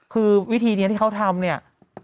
คือวิธีนี้ที่เขาทำเนี่ย